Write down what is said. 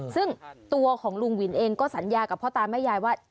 ซึ่งตัวของลุงวินเองก็สัญญากับพ่อตาแม่ยายว่า